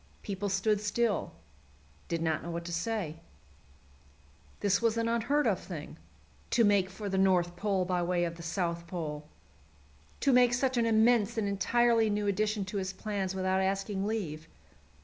People stood still did not know what to say. This was an unheard of thing, to make for the North Pole by way of the South Pole! To make such an immense and entirely new addition to his plans without asking leave!